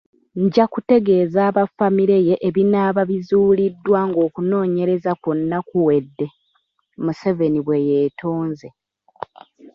Nja kutegeeza aba famire ye ebinaaba bizuuliddwa ng'okunoonyereza kwonna kuwedde.”Museveni bwe yeetonze.